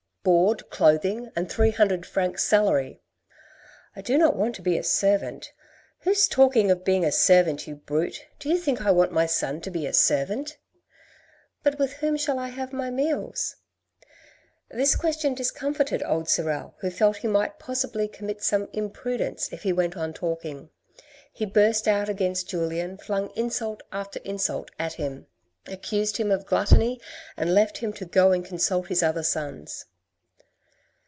•' Board, clothing, and three hundred francs salary." " I do not want to be a servant." " Who's talking of being a servant, you brute, Do you think I want my son to be a servant ?"" But with whom shall I have my meals ?" This question discomforted old Sorel, who felt he might possibly commit some imprudence if he went on talking. He burst out against Julien, flung insult after insult at him, zo THE RED AND THE BLACK accused him of gluttony, and left him to go and consult his other sons.